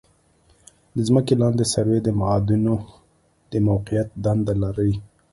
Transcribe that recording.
د ځمکې لاندې سروې د معادنو د موقعیت دنده لري